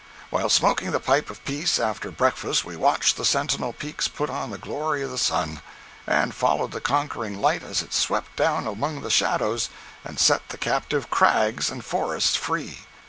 While smoking the pipe of peace after breakfast we watched the sentinel peaks put on the glory of the sun, and followed the conquering light as it swept down among the shadows, and set the captive crags and forests free.